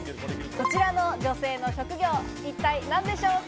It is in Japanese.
こちらの女性の職業、一体何でしょうか？